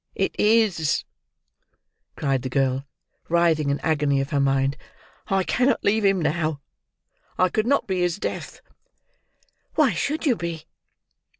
"It is," cried the girl, writhing in agony of her mind; "I cannot leave him now! I could not be his death." "Why should you be?"